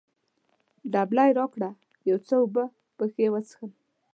دبلی راکړه، یو څه اوبه پکښې وڅښم.